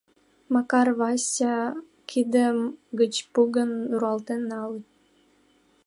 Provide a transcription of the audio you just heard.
Макар Вася кидем гыч пӱгым руалтен нале: